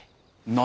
何！